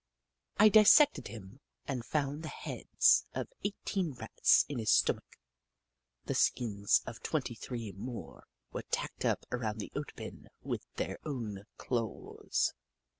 I dissected him and found the heads of eighteen Rats in his stomach. The skins of twenty three more were tacked up around the oat bin with their own claws.